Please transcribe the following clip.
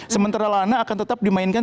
sementara lana akan tetap dimainkan